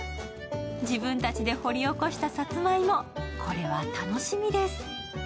自分たちで掘り起こしたさつまいも、これは楽しみです。